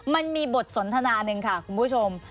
มันมีบทสนทนาหนึ่งค่ะคุณผู้ชม